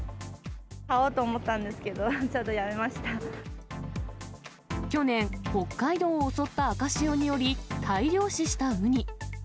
買おうと思ったんですけど、去年、北海道を襲った赤潮により、大量死したウニ。